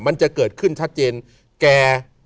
มันจะเกิดขึ้นชัดเจนแก่